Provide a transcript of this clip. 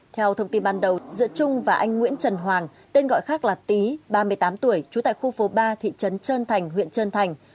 theo thông tin ban đầu giữa trung và anh nguyễn trần hoàng tên gọi khác là tý ba mươi tám tuổi trú tại khu phố ba thị trấn trơn thành huyện trơn thành